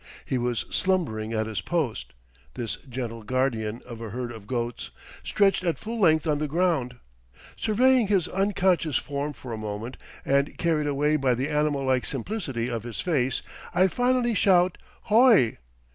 He was slumbering at his post, this gentle guardian of a herd of goats, stretched at full length on the ground. Surveying his unconscious form for a moment and carried away by the animal like simplicity of his face, I finally shout "Hoi!"